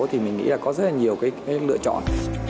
thì mình nghĩ là có rất nhiều lựa chọn